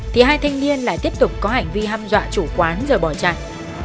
thì hai thanh niên lại tiếp tục có hành vi hâm dọa chủ quán rồi bỏ chạy